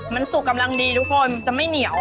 มันสุกกำลังดีทุกคนจะไม่เหนียว